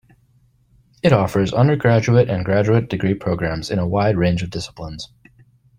It offers undergraduate and graduate degree programs in a wide range of disciplines.